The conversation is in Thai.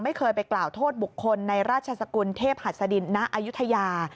ไม่เคยไปกล่าวโทษบุคคลในราชสกุลเทพหัสดินณอายุทยา